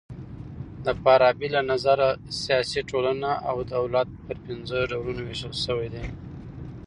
د فارابۍ له نظره سیاسي ټولنه او دولت پر پنځه ډولونو وېشل سوي دي.